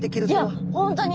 いや本当に。